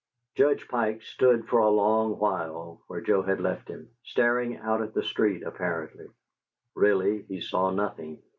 Judge Pike stood for a long while where Joe had left him, staring out at the street, apparently. Really he saw nothing.